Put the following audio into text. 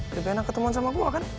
bisa kan ketemuan sama gue kan